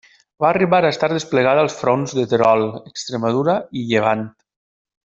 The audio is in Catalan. Va arribar a estar desplegada als fronts de Terol, Extremadura i Llevant.